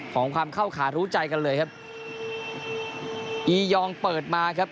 ของความเข้าขารู้ใจกันเลยครับอียองเปิดมาครับ